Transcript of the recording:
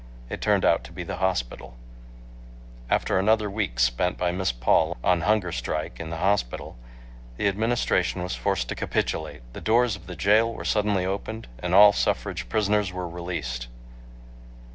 It turned out to be the hospital. After another week spent by Miss Paul on hunger strike in the hospital, the Administration was forced to capitulate. The doors of the jail were suddenly opened, and all suffrage prisoners were released.